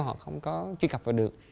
họ không có truy cập vào được